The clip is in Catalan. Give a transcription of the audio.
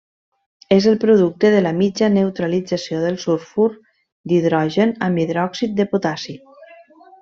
És el producte de la mitja neutralització del sulfur d'hidrogen amb hidròxid de potassi.